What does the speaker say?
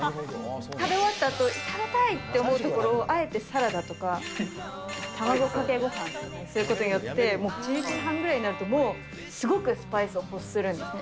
食べ終わったあと、食べたいと思ったところをあえてサラダとか、卵かけごはんにすることによって、もうすごくスパイスを欲するんですね。